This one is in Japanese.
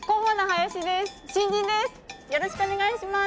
よろしくお願いします！